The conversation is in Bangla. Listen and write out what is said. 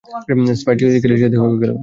স্প্রাইট ইকারিসের সাথে গেল কেন?